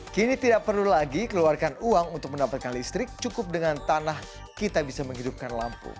kini tidak perlu lagi keluarkan uang untuk mendapatkan listrik cukup dengan tanah kita bisa menghidupkan lampu